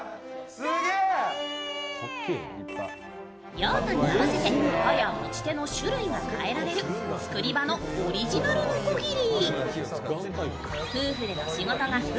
用途に合わせて刃や持ち手の種類が変えられるｔｕｋｕｒｉｂａのオリジナルのこぎり。